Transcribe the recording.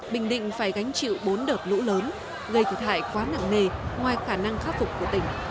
bình định phải gánh chịu bốn đợt lũ lớn gây thiệt hại quá nặng nề ngoài khả năng khắc phục của tỉnh